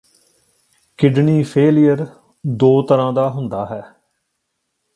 kidney failure ਦੋ ਤਰ੍ਹਾਂ ਦਾ ਹੁੰਦਾ ਹੈ